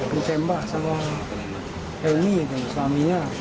ditembak sama helmy dan suaminya